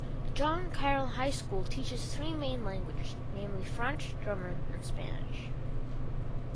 John Kyrle High School teaches three main languages, namely French, German and Spanish.